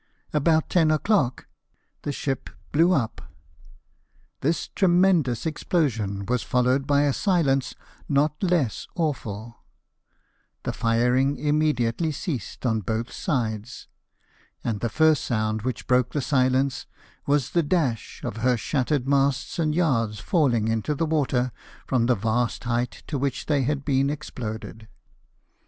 About ten o'clock the ship blew up. This tremendous explosion was followed by a silence not less awful; the firing immediately ceased on both sides ; and the first sound which broke the silence was the dash of her shattered masts and yards, falling into the water from the vast height to which they had been exploded.